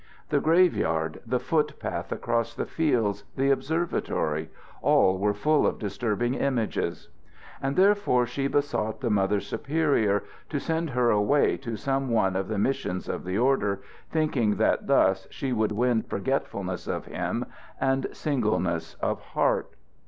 The graveyard, the foot path across the fields, the observatory all were full of disturbing images. And therefore she besought the Mother Superior to send her away to some one of the missions of the Order, thinking that thus she would win forgetfulness of him and singleness of heart.